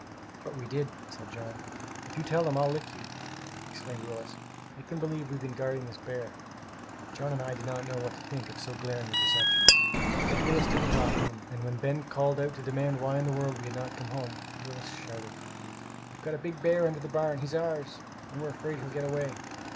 "But we did," said John. "If you tell them I'll lick you!" exclaimed Willis. "Make them believe we've been guarding this bear!" John and I did not know what to think of so glaring a deception; but Willis did the talking; and when Ben called out to demand why in the world we had not come home, Willis shouted: "We've got a big bear under the barn! He's ours, and we are afraid he'll get away!"